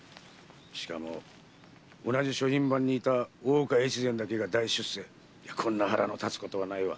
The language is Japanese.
しかも同じ書院番にいた大岡越前だけが大出世こんな腹の立つことはないわ！